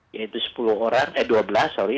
yaitu sepuluh orang eh dua belas sorry